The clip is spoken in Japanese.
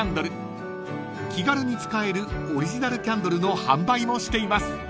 ［気軽に使えるオリジナルキャンドルの販売もしています］